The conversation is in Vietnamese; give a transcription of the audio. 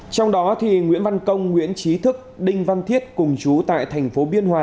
trong đó nguyễn văn công nguyễn trí thức đinh văn thiết cùng chú tại thành phố biên hòa